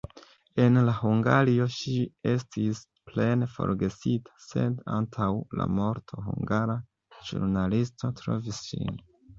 En Hungario ŝi estis plene forgesita, sed antaŭ la morto hungara ĵurnalisto trovis ŝin.